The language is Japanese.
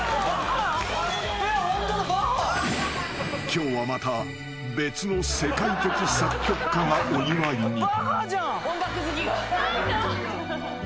［今日はまた別の世界的作曲家がお祝いに］